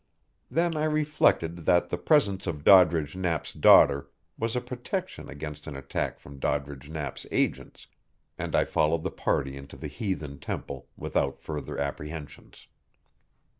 Then I reflected that the presence of Doddridge Knapp's daughter was a protection against an attack from Doddridge Knapp's agents, and I followed the party into the heathen temple without further apprehensions.